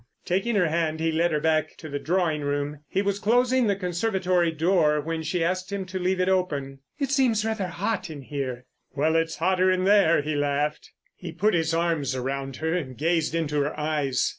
Taking her hand he led her back to the drawing room. He was closing the conservatory door when she asked him to leave it open. "It seems rather hot in here." "Well, it's hotter in there," he laughed. He put his arms around her and gazed into her eyes.